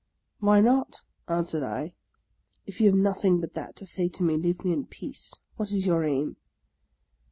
" Why not ?" answered I. " If you have nothing but that to say to me, leave me in peace. What is your aim?